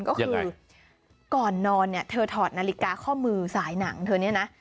ก็คือก่อนนอนเนี่ยเธอถอดนาฬิกาข้อมือสายหนังเธอเนี่ยนะ